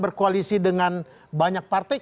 berkoalisi dengan banyak partai